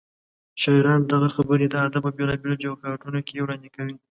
شاعران دغه خبرې د ادب په بېلابېلو چوکاټونو کې وړاندې کوي.